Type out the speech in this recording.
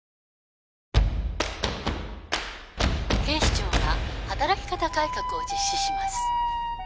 警視庁が働き方改革を実施します